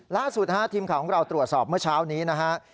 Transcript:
ล่าสุดฮะทีมข่าวของเราตรวจสอบเมื่อเช้านี้นะฮะ